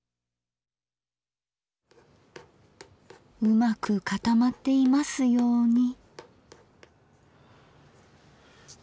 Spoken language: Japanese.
うまく固まっていますように。